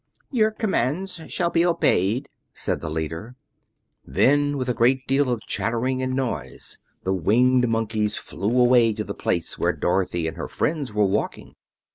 "Your commands shall be obeyed," said the leader. Then, with a great deal of chattering and noise, the Winged Monkeys flew away to the place where Dorothy and her friends were walking.